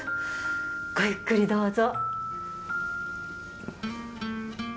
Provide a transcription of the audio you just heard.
ごゆっくりどうぞ。